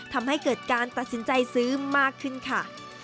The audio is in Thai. ทำให้เกิดการตัดสินใจซื้อมากขึ้นค่ะ